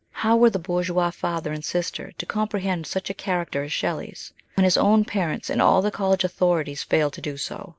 How were the bourgeois father and sister to comprehend such a character as Shelley's, when his own parents and all the College authorities failed to do so?